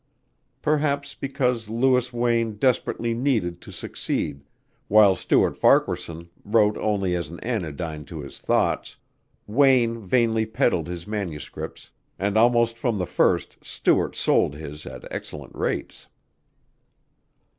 Perhaps because Louis Wayne desperately needed to succeed, while Stuart Farquaharson wrote only as an anodyne to his thoughts, Wayne vainly peddled his manuscripts and almost from the first Stuart sold his at excellent rates.